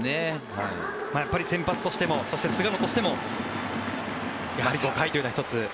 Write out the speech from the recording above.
先発としても菅野としてもやはり５回というのは１つ。